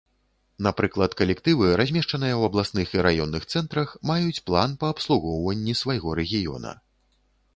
Напрыклад, калектывы, размешчаныя ў абласных і раённых цэнтрах, маюць план па абслугоўванні свайго рэгіёна.